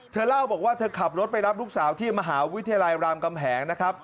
เธอเล่าบอกว่าเธอขับรถไปรับลูกสาวที่มหาวิทยาลัยรามกำแหงนะครับ